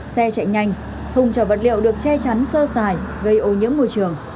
xe chạy nhanh thùng trở vật liệu được che chắn sơ xài gây ô nhiễm môi trường